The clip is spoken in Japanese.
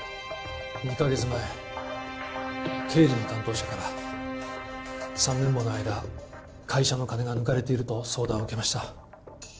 ２カ月前経理の担当者から３年もの間会社の金が抜かれていると相談を受けました。